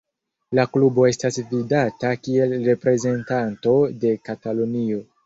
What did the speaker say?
La klubo estas vidata kiel reprezentanto de Katalunio.